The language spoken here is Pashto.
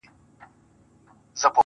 ځمه ويدېږم ستا له ياده سره شپې نه كوم.